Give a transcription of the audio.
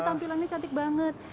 ini tampilannya cantik banget